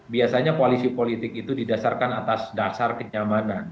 biasanya koalisi politik itu didasarkan atas dasar kenyamanan